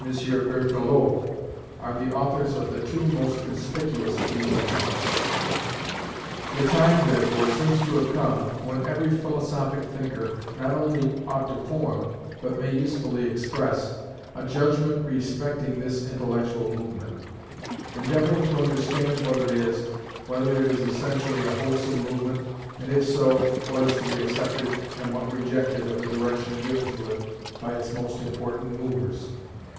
Berthelot, are the authors of the two most conspicuous of these attempts. The time, therefore, seems to have come, when every philosophic thinker not only ought to form, but may usefully express, a judgment respecting this intellectual movement; endeavouring to understand what it is, whether it is essentially a wholesome movement, and if so, what is to be accepted and what rejected of the direction given to it by its most important movers.